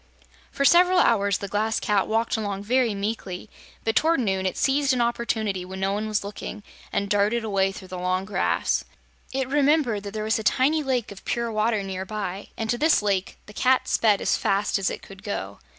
For several hours the Glass Cat walked along very meekly, but toward noon it seized an opportunity when no one was looking and darted away through the long grass. It remembered that there was a tiny lake of pure water near by, and to this lake the Cat sped as fast as it could go.